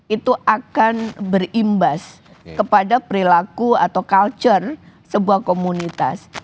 itu akan berimbas kepada perilaku atau culture sebuah komunitas